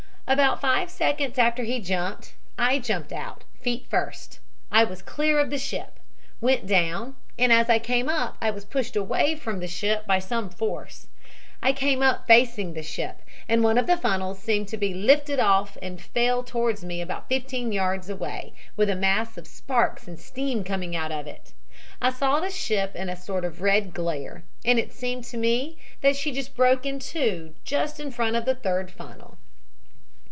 "About five seconds after he jumped I jumped out, feet first. I was clear of the ship; went down, and as I came up I was pushed away from the ship by some force. I came up facing the ship, and one of the funnels seemed to be lifted off and fell towards me about 15 yards away, with a mass of sparks and steam coming out of it. I saw the ship in a sort of a red glare, and it seemed to me that she broke in two just in front of the third funnel.